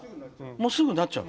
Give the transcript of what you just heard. もうすぐなっちゃう。